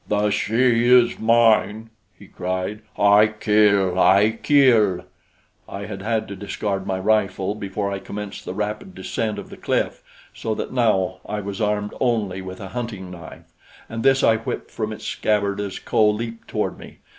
"The she is mine," he cried. "I kill! I kill!" I had had to discard my rifle before I commenced the rapid descent of the cliff, so that now I was armed only with a hunting knife, and this I whipped from its scabbard as Kho leaped toward me.